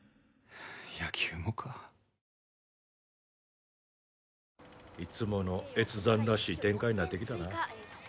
野球もかいつもの越山らしい展開になってきたな